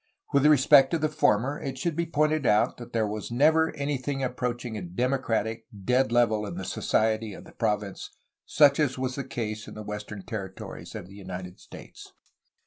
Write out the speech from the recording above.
With respect to the former it should be pointed out that there never was anything approaching a democratic, dead level in the society of the province such as was the case in the western territories of the United States.